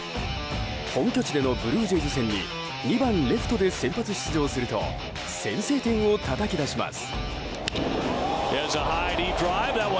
本拠地でのブルージェイズ戦に２番レフトで先発出場すると先制点をたたき出します。